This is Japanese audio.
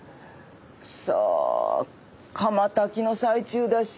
さあ窯焚きの最中だし